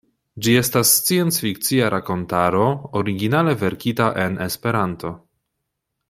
Ĝi estas sciencfikcia rakontaro originale verkita en Esperanto.